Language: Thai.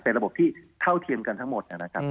เป็นระบบที่เท่าเทียมกันทั้งหมดนะครับ